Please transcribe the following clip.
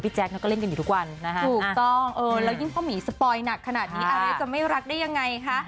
แล้วเขาก็สปอยหลานเก่ง